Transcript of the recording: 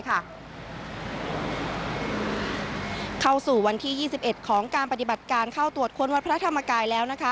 เข้าสู่วันที่๒๑ของการปฏิบัติการเข้าตรวจค้นวัดพระธรรมกายแล้ว